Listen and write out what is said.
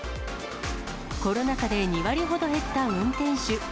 コロナ禍で２割ほど減った運転手。